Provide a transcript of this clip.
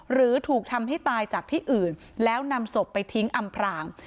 หรือถูกทำให้ตายจากที่อื่นแล้วนำศพไปทิ้งอำพราง